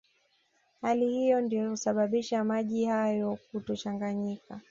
Hali hiyo ndiyo husababisha maji hayo kutochanganyika